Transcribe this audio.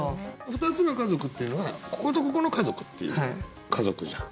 「ふたつの家族」っていうのはこことここの家族っていう「家族」じゃん。